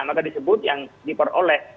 maka disebut yang diperoleh